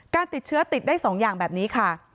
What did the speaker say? การติดเชื้อติดได้๒อย่างแบบนี้ค่ะ